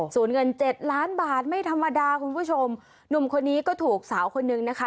ส่วนเงินเจ็ดล้านบาทไม่ธรรมดาคุณผู้ชมหนุ่มคนนี้ก็ถูกสาวคนนึงนะคะ